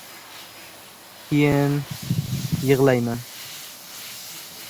Keyin… yig‘layman!